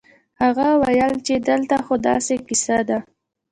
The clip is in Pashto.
هغه وويل چې دلته خو داسې کيسه ده.